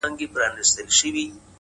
دغه انسان بېشرفي په شرافت کوي’